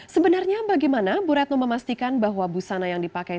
sebenarnya bagaimana bu retno memastikan bahwa busana yang dipakai